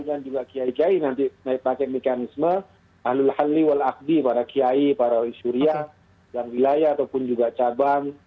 dan juga kiai kiai nanti pakai mekanisme ahlul halli wal aqdi para kiai para raih suria yang wilayah ataupun juga cabang